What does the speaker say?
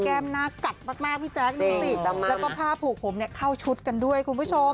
แก้มหน้ากัดมากพี่แจ๊คนิวซ์ทิสแล้วก็ผ้าผูกผมเนี่ยเข้าชุดกันด้วยครับคุณผู้ชม